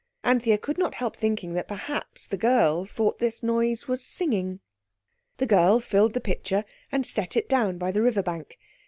Anthea could not help thinking that perhaps the girl thought this noise was singing. The girl filled the pitcher and set it down by the river bank.